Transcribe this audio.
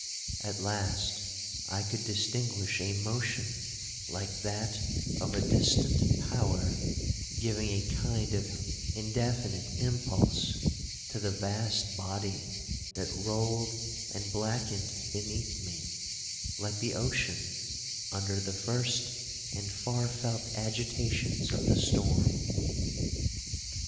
At last, I could distinguish a motion like that of a distant power, giving a kind of indefinite impulse to the vast body that rolled and blackened beneath me, like the ocean under the first and far felt agitations of the storm.